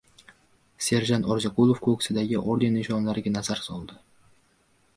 Serjant Orziqulov ko‘ksidagi orden-nishonlariga nazar soldi.